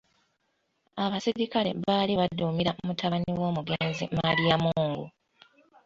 Abaserikale baali badduumirwa mutabani w'omugenzi Maliyamungu.